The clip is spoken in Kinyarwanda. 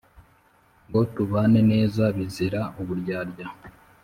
ngo tubane neza bizira uburyarya